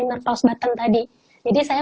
inner clouse button tadi jadi saya